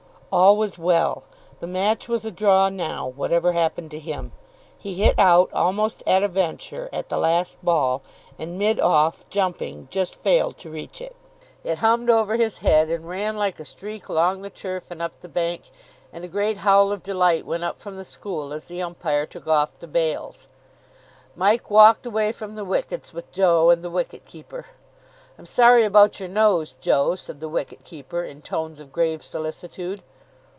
All was well. The match was a draw now whatever happened to him. He hit out, almost at a venture, at the last ball, and mid off, jumping, just failed to reach it. It hummed over his head, and ran like a streak along the turf and up the bank, and a great howl of delight went up from the school as the umpire took off the bails. Mike walked away from the wickets with Joe and the wicket keeper. "I'm sorry about your nose, Joe," said the wicket keeper in tones of grave solicitude.